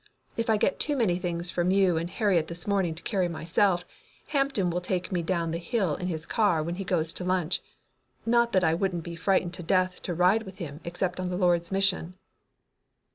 If I get too many things from you and Harriet this morning to carry myself, Hampton will take me down the hill in his car when he goes to lunch, not that I wouldn't be frightened to death to ride with him except on the Lord's mission."